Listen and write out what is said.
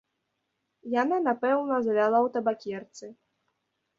Яна напэўна завяла ў табакерцы.